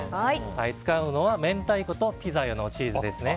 使うのは明太子とピザ用のチーズですね。